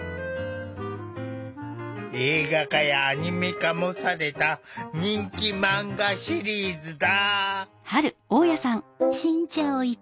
映画化やアニメ化もされた人気マンガシリーズだ。